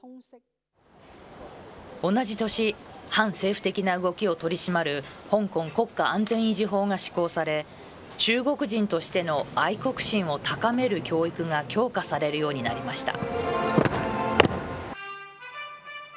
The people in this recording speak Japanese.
同じ年、反政府的な動きを取り締まる香港国家安全維持法が施行され、中国人としての愛国心を高める教育が強化されるようになりました。